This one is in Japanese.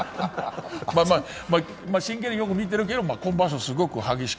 真剣によく見てるけど今場所すごく激しい。